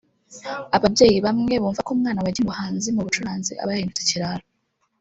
ababyeyi bamwe bumva ko umwana wagiye mu buhanzi mu bucuranzi aba yahindutse ikirara